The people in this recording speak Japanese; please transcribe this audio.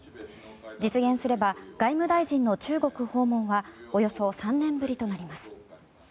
実現すれば外務大臣の中国訪問はおよそ３年ぶりとなります。